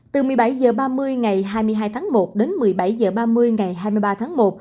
từ một mươi bảy h ba mươi ngày hai mươi hai tháng một đến một mươi bảy h ba mươi ngày hai mươi ba tháng một